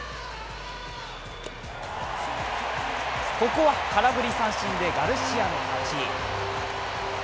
ここは空振り三振でガルシアの勝ち。